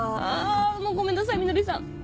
もうごめんなさいみどりさん。